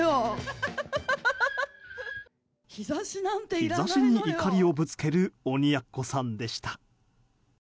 日差しに怒りをぶつける鬼奴さんでした。